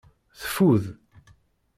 Teffud.